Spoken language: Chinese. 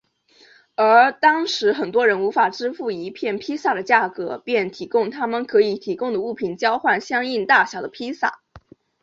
而当时很多人无法支付一片披萨的价格便提供他们可以提供的物品交换相应大小的披萨。